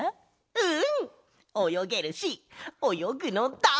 うん。